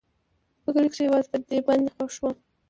په کلي کښې يوازې په دې باندې خوښ وم.